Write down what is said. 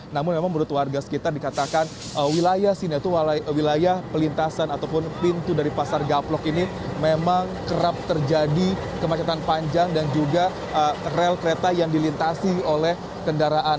namun memang menurut warga sekitar dikatakan wilayah sini itu wilayah pelintasan ataupun pintu dari pasar gaplok ini memang kerap terjadi kemacetan panjang dan juga rel kereta yang dilintasi oleh kendaraan